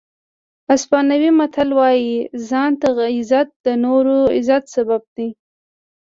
اسپانوي متل وایي ځان ته عزت د نورو د عزت سبب دی.